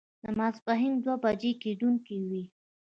د ماسپښين دوه بجې کېدونکې وې.